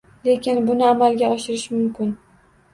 Lekin buni amalga oshirish mumkin